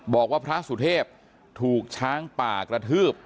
บอกว่าพระสุเทพถูกช้างป่ากระทืบ